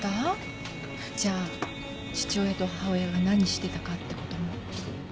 じゃあ父親と母親が何してたかってことも。